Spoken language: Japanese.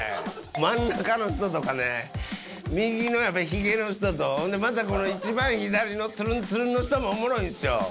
真ん中の人とかね、右のやっぱひげの人と、ほんでまた一番左のつるんつるんの人もおもろいっすよ。